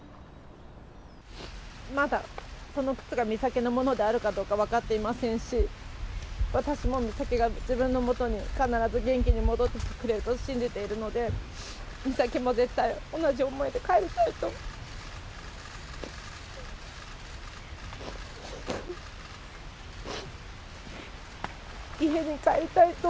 まだ、この靴が美咲のものであるかどうか分かっていませんし、私も美咲が自分の元に必ず元気に戻ってきてくれると信じているので、美咲も絶対、同じ思いで帰りたいと。